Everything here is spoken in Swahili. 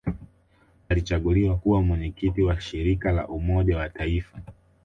Alichaguliwa kuwa Mwenyekiti wa Shirika la Umoja wa Afrika